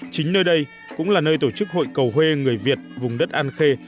chính nơi đây cũng là nơi tổ chức hội cầu hê người việt vùng đất an khê